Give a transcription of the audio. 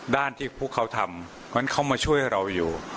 ด้านที่พวกเขาทำงั้นเขามาช่วยเราอยู่